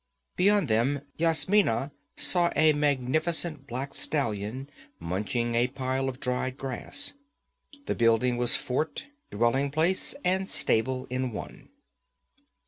Beyond them Yasmina saw a magnificent black stallion munching a pile of dried grass. The building was fort, dwelling place and stable in one.